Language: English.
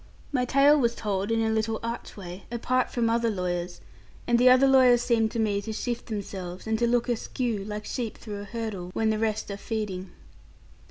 My tale was told in a little archway, apart from other lawyers; and the other lawyers seemed to me to shift themselves, and to look askew, like sheep through a hurdle, when the rest are feeding.